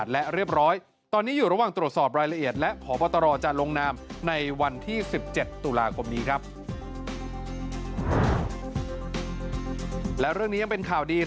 และเรื่องนี้ยังเป็นข่าวดี